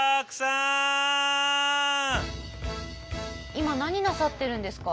今何なさってるんですか？